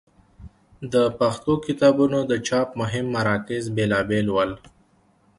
د پښتو کتابونو د چاپ مهم مراکز بېلابېل ول.